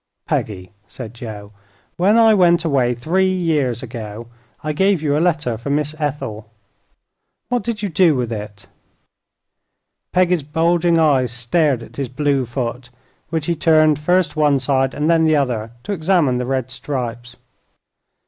"Peggy," said Joe, "when I went away, three years ago, I gave you a letter for Miss Ethel. What did you do with it?" Peggy's bulging eyes stared at his blue foot, which he turned first one side and then the other to examine the red stripes.